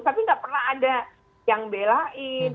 tapi nggak pernah ada yang belain